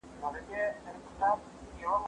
زه اوږده وخت سیر کوم!.